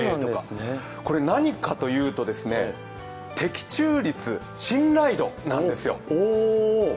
何かというと的中率、信頼度なんですよ。